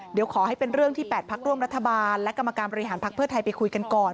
เดี๋ยวขอให้เป็นเรื่องที่๘พักร่วมรัฐบาลและกรรมการบริหารพักเพื่อไทยไปคุยกันก่อน